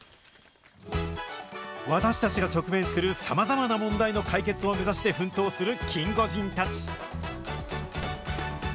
私たちが直面するさまざまな問題の解決を目指して奮闘するキンゴジンたち。